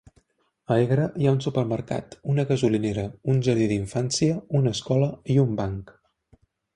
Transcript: A Hegra hi ha un supermercat, una gasolinera, un jardí d'infància, una escola i un banc.